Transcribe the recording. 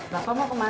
bapak mau ke mana